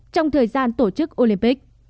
trong thời gian tổ chức olympic